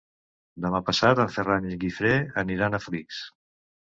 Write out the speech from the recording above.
Demà passat en Ferran i en Guifré aniran a Flix.